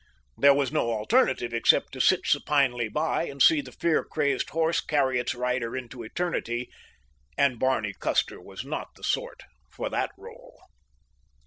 There was no alternative except to sit supinely by and see the fear crazed horse carry its rider into eternity, and Barney Custer was not the sort for that role.